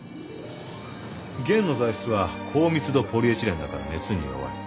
弦の材質は高密度ポリエチレンだから熱に弱い。